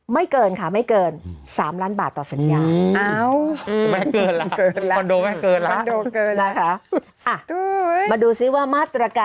เกินค่ะไม่เกิน๓ล้านบาทต่อสัญญา